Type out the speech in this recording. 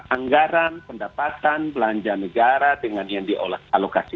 anggaran pendapatan belanja negara dengan yang diolahkan oleh bapak presiden